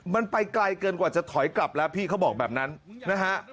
มันไปไกลเกินกว่าจะถอยกลับแล้วพี่เขาบอกแบบนั้นนะฮะ